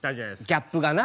ギャップがな。